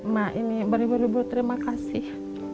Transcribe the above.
mak ini beribu ribu terima kasih